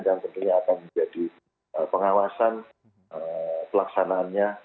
dan tentunya akan menjadi pengawasan pelaksanaannya